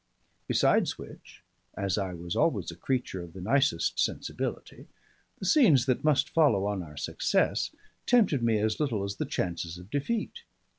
Besides which, as I was always a creature of the nicest sensibility, the scenes that must follow on our success tempted me as little as the chances of defeat.